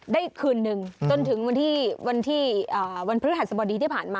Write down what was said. คืนหนึ่งจนถึงวันที่วันพฤหัสบดีที่ผ่านมา